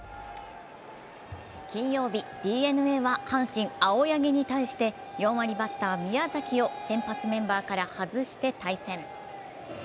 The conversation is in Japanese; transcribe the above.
金曜日、ＤｅＮＡは阪神・青柳に対して４割バッター・宮崎を先発メンバーから外して対戦。